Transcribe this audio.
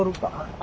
あ！